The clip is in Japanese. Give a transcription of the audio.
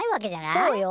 そうよ。